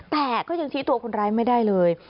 แต่ก็ยังชี้ตัวคนร้ายไม่ได้เลย